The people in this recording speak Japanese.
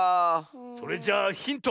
それじゃあヒント。